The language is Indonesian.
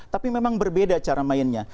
tapi memang berbeda cara mainnya